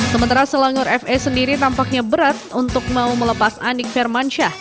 sementara selangor fa sendiri tampaknya berat untuk mau melepas andik firmansyah